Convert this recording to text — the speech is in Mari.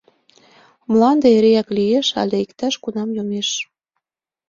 — Мланде эреак лиеш але иктаж-кунам йомеш?